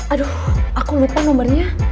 aduh aku lupa nomernya